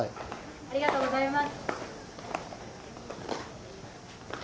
ありがとうございます。